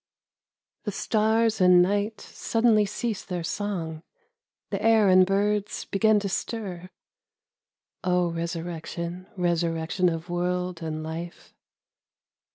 The stars and night suddenly cease their song, The air and birds begin to stir. (O Resurrection, Resurrection of World and Life